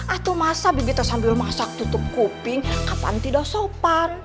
atau masa bibi tuh sambil masak tutup kuping kapan tidak sopan